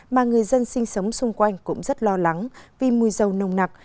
mà người dân sinh sống xung quanh cũng rất lo lắng vì mùi dâu nồng nặc